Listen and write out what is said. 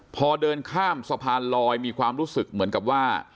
พอเดินข้ามสะพานลอยมีความรู้สึกเหมือนกับว่า